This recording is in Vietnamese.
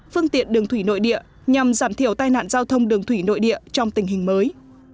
phương tiện đường thủy nội địa nhằm giảm thiểu tai nạn giao thông đường thủy nội địa trong tình hình mới